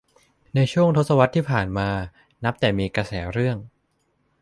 ในช่วงทศวรรษที่ผ่านมานับแต่มีกระแสเรื่อง